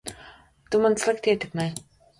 Tu mani slikti ietekmē.